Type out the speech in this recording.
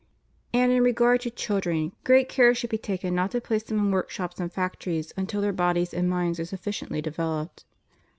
And, in regard to children, great care should be taken not to place them in workshops and fac tories until their bodies and minds are sufficiently de veloped.